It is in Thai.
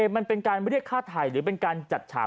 มันเป็นการเรียกฆ่าไทยหรือเป็นการจัดฉาก